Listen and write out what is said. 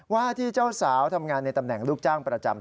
ว่าที่เจ้าสาวทำงานในตำแหน่งลูกจ้างประจำ